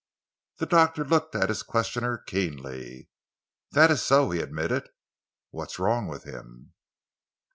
The doctor looked at his questioner keenly. "That is so," he admitted. "What's wrong with him?"